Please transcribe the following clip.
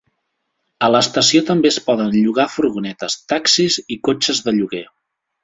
A l' estació també és poden llogar furgonetes, taxis i cotxes de lloguer.